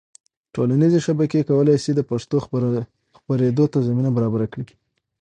ټولنیزې شبکې کولی سي د پښتو خپرېدو ته زمینه برابره کړي.